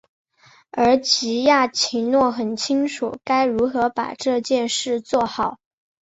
而吉亚奇诺很清楚该如何把这件事做好。